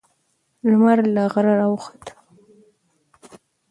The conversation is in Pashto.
لمر له غره راوخوت.